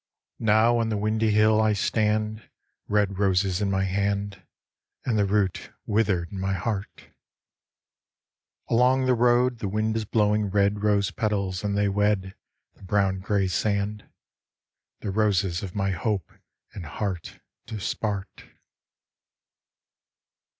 Now on the windy hill I stand, Red roses in my hand, And the root withered in my heart. Along the road the wind is blowing rod Rose petals and they wed The brown grey sand. The roses of my hope and heart dispart.